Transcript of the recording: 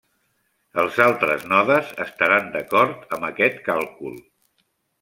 Els altres nodes estaran d'acord amb aquest càlcul.